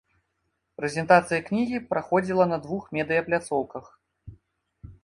Прэзентацыя кнігі праходзіла на двух медыя-пляцоўках.